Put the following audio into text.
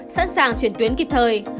sẵn sàng chuyển tuyến kịp thời